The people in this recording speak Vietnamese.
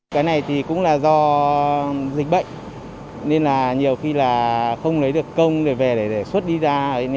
cái này cũng là do dịch bệnh nên nhiều khi không lấy được công để xuất đi ra